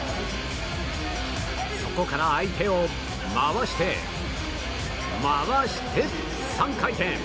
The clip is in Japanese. そこから相手を回して、回して３回転！